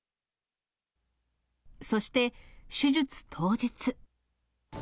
そして、手術当日。